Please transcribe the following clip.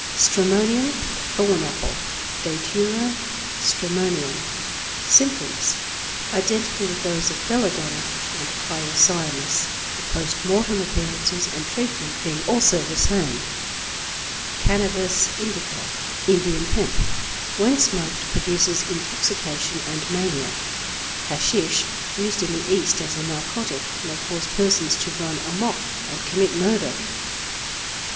_ =Stramonium= (Thorn Apple). Datura stramonium. Symptoms. Identical with those of belladonna and hyoscyamus, the post mortem appearances and treatment being also the same. =Cannabis Indica= (Indian Hemp). When smoked, produces intoxication and mania. Hashish, used in the East as a narcotic, may cause persons to run 'amok' and commit murder. XXXI.